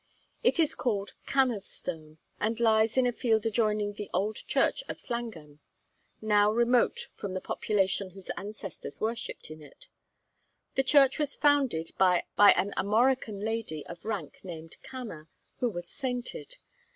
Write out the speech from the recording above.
It is called Canna's Stone, and lies in a field adjoining the old church of Llangan, now remote from the population whose ancestors worshipped in it. The church was founded by an Armorican lady of rank named Canna, who was sainted.